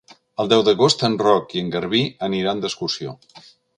El deu d'agost en Roc i en Garbí aniran d'excursió.